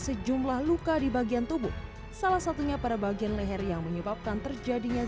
sejumlah luka di bagian tubuh salah satunya pada bagian leher yang menyebabkan terjadinya